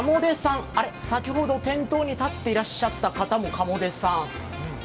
先ほど店頭に立っていらっしゃった方も鴨出さん。